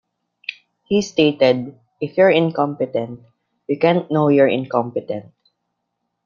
He stated: "If you're incompetent, you can't know you're incompetent ...